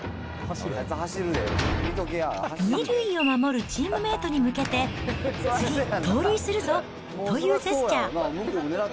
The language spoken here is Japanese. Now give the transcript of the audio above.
２塁を守るチームメートに向けて、次、盗塁するぞというジェスチャー。